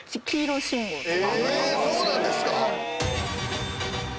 そうなんですか